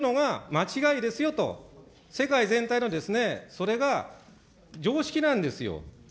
そういうことを求めていくというのが、間違いですよと、世界全体のそれが常識なんですよ。